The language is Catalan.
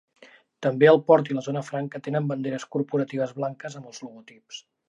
També el port i la zona franca tenen banderes corporatives blanques amb els logotips.